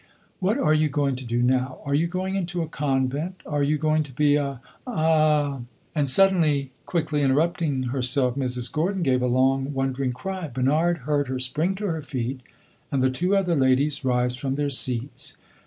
What are you going to do now? Are you going into a convent? Are you going to be A a h!" And, suddenly, quickly, interrupting herself, Mrs. Gordon gave a long, wondering cry. Bernard heard her spring to her feet, and the two other ladies rise from their seats.